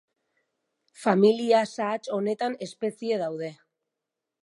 Familia sahats honetan espezie daude.